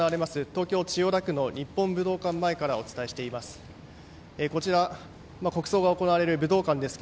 東京・千代田区の日本武道館前からお伝えしています。